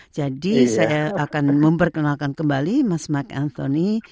jadi saya akan memperkenalkan kembali mas mark anthony